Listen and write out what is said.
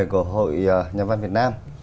của hội nhà văn việt nam